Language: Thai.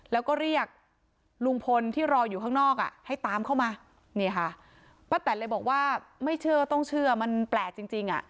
แล้วก็เรียกลุงพลที่รออยู่ข้างนอกอ่ะให้ตามเข้ามานี่ค่ะป้าแตนเลยบอกว่าไม่เชื่อต้องเชื่อมันแปลกจริงจริงอ่ะ